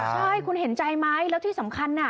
ใช่คุณเห็นใจไหมแล้วที่สำคัญน่ะ